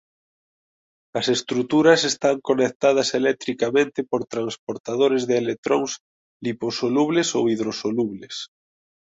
As estruturas están conectadas electricamente por transportadores de electróns liposolubles ou hidrosolubles.